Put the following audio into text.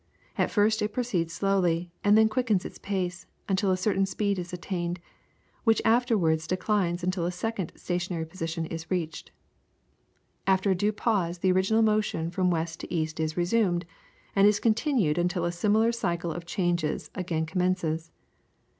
At first it proceeds slowly and then quickens its pace, until a certain speed is attained, which afterwards declines until a second stationary position is reached. After a due pause the original motion from west to east is resumed, and is continued until a similar cycle of changes again commences.